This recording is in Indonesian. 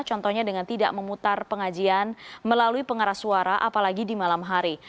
contohnya dengan tidak memutar pengajian melalui pengarah suara apalagi di malam hari